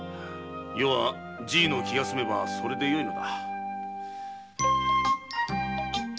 余はじいの気がすめばそれでよいのだ。